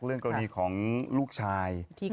เรื่องกรณีของลูกชาย